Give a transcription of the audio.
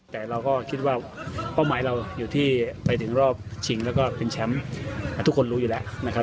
แต่เราก็คิดว่าเป้าหมายเราอยู่ที่ไปถึงรอบชิงแล้วก็เป็นแชมป์ทุกคนรู้อยู่แล้วนะครับ